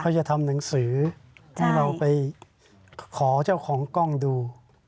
จะทำหนังสือให้เราไปขอเจ้าของกล้องดู